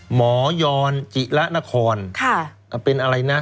หมอยอนจิระนครเป็นอะไรนะ